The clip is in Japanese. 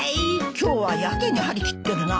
今日はやけに張り切ってるな。